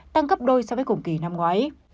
tăng gấp đôi so với cùng kỳ năm ngoái